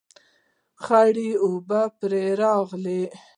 خړې اوبه پرې راغلې